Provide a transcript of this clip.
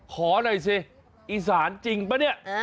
ขอหน่อยสิอีสานจริงป่ะเนี่ย